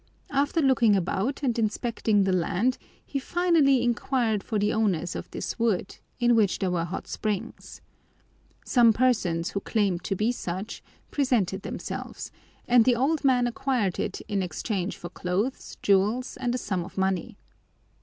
After looking about and inspecting the land, he finally inquired for the owners of this wood, in which there were hot springs. Some persons who claimed to be such presented themselves, and the old man acquired it in exchange for clothes, jewels, and a sum of money.